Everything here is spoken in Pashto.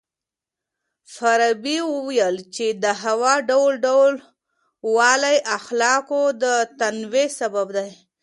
فارابي وويل چي د هوا ډول ډول والی د اخلاقو د تنوع سبب دی.